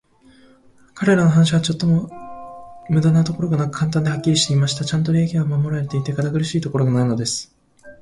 彼等の話は、ちょっとも無駄なところがなく、簡単で、はっきりしていました。ちゃんと礼儀は守られていて、堅苦しいところがないのです。